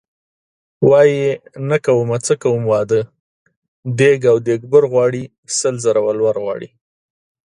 وايي نه کومه څه کوم واده دیګ او دیګبر غواړي سل زره ولور غواړي .